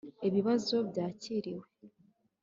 ibibazo byakiriwe